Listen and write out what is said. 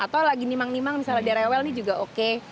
atau lagi nimang nimang misalnya di rewel ini juga oke